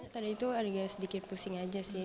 tadi itu agak sedikit pusing aja sih